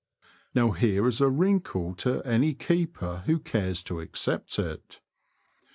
Now here is a wrinkle to any keeper who cares to accept it.